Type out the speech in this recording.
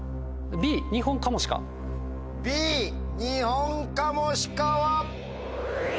「Ｂニホンカモシカ」は？